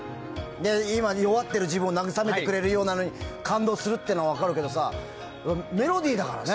今、弱っている自分を慰めてくれる歌詞に感動するっていうのは分かるけど、メロディーだからね。